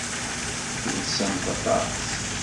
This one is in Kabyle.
Telsam aṭas.